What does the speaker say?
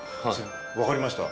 わかりました。